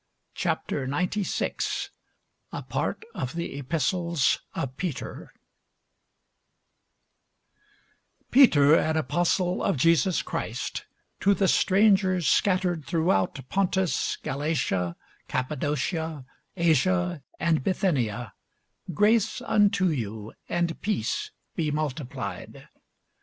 CHAPTER 96 A PART OF THE EPISTLES OF PETER PETER, an apostle of Jesus Christ, to the strangers scattered throughout Pontus, Galatia, Cappadocia, Asia, and Bithynia, grace unto you, and peace, be multiplied.